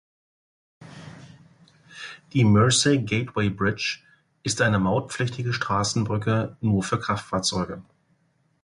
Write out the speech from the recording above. Die "Mersey Gateway Bridge" ist eine mautpflichtige Straßenbrücke nur für Kraftfahrzeuge.